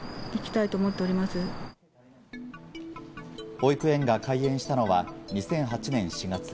保育園が開園したのは２００８年４月。